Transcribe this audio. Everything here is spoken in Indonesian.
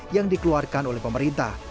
yang dikeluarkan oleh pemerintah